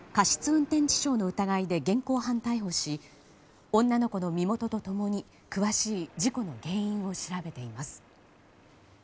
運転致傷の疑いで現行犯逮捕し女の子の身元と共に詳しい事故の原因を調べています。